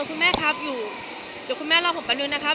คุณแม่ครับอยู่เดี๋ยวคุณแม่รอผมป้านุษนะครับ